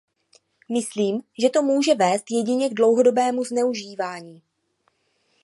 Myslím, že to může vést jedině k dlouhodobému zneužívání.